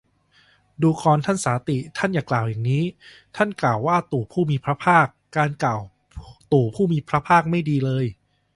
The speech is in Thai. ดูกรท่านสาติ ท่านอย่ากล่าวอย่างนี้ ท่านอย่ากล่าวตู่พระผู้มีพระภาค การกล่าวตู่พระผู้มีพระภาค ไม่ดีเลย